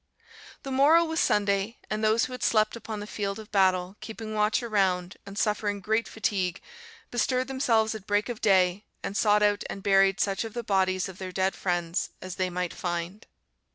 "The morrow was Sunday; and those who had slept upon the field of battle, keeping watch around, and suffering great fatigue, bestirred themselves at break of day and sought out and buried such of the bodies of their dead friends as they might find.